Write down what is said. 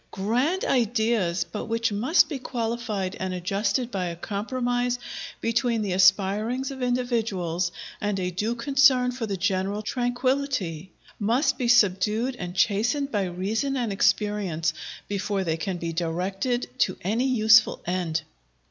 Grand ideas! but which must be qualified and adjusted by a compromise between the aspirings of individuals and a due concern for the general tranquillity; must be subdued and chastened by reason and experience, before they can be directed to any useful end!